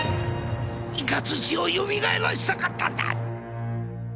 イカズチをよみがえらせたかったんだ。